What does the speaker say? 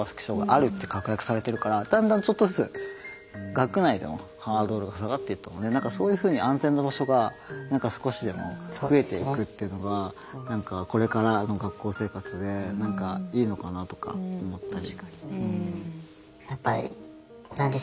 だんだんちょっとずつそういうふうに安全な場所が何か少しでも増えていくっていうのが何かこれからの学校生活で何かいいのかなとか思ったり。